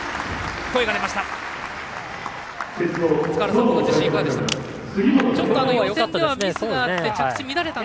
声が出ました。